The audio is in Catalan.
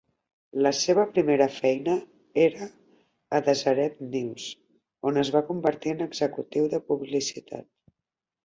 La seva primera feina era a "Deseret News", on es va convertir en executiu de publicitat.